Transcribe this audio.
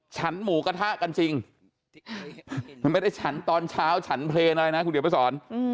ฉันหมูกระทะกันจริงมันไม่ได้ฉันตอนเช้าฉันเพลงอะไรนะคุณเดี๋ยวไปสอน